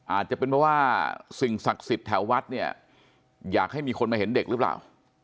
อาจจะเป็นเพราะว่าสิ่งศักดิ์สิทธิ์แถววัดเนี่ยอยากให้มีคนมาเห็นเด็กหรือเปล่า